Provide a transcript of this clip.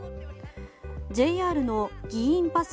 ＪＲの議員パス